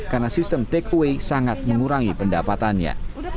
karena sistem takeaway sangat mengurangi pendapatannya